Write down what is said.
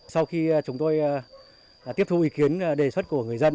sau khi chúng tôi tiếp thu ý kiến đề xuất của người dân